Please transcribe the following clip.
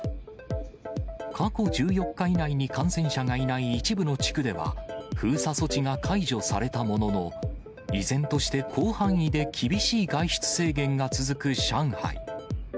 過去１４日以内に感染者がいない一部の地区では、封鎖措置が解除されたものの、依然として広範囲で厳しい外出制限が続く上海。